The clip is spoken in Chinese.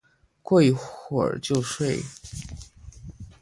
过一会就睡